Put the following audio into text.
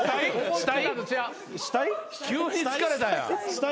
死体？